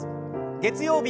月曜日